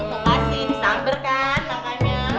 makasih disambarkan namanya